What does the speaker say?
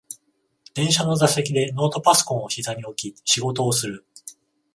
電車の座席でノートパソコンをひざに置き仕事をする